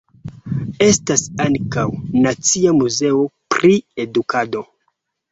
Estas ankaŭ "Nacia Muzeo pri Edukado".